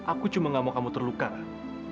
aku cuma nggak mau kamu terluka ran